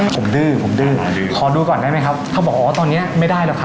ผมดื้อผมดื้อขอดูก่อนได้ไหมครับเขาบอกอ๋อตอนนี้ไม่ได้หรอกครับ